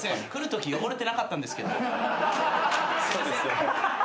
そうですよね。